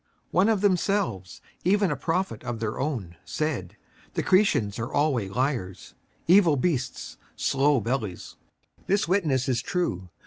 56:001:012 One of themselves, even a prophet of their own, said, The Cretians are alway liars, evil beasts, slow bellies. 56:001:013 This witness is true.